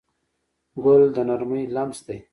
ګل د نرمۍ لمس دی.